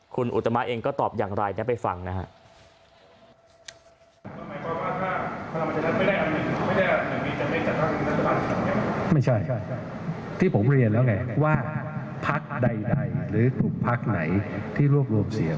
คุณอุตมาตย์เองก็ตอบอย่างไรได้ไปฟังนะครับ